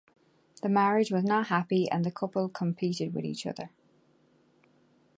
The marriage was not happy and the couple competed with each other.